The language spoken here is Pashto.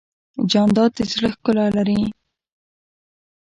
جانداد د زړه ښکلا لري.